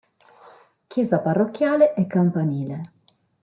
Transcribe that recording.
Chiesa Parrocchiale e Campanile.